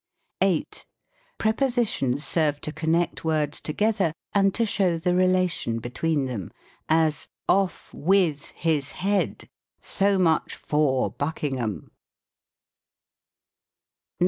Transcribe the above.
8. Prepositions serve to connect words together, and to show the relation between them : as, " Off with his head, so muchybr Buckingham!"